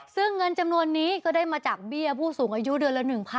ซึ่งเงินจำนวนนี้ก็ได้มาจากเบี้ยผู้สูงอายุเดือนละ๑๐๐๐